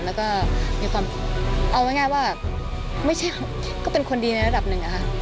มันไปแรงว่าก็เป็นคนดีในระดับหนึ่ง